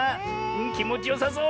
きもちよさそう！